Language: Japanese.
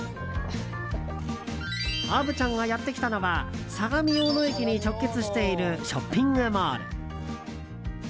虻ちゃんがやってきたのは相模大野駅に直結しているショッピングモール。